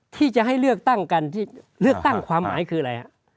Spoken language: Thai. ที่จะให้เลือกตั้งกันที่เลือกตั้งความหมายคืออะไรฮะ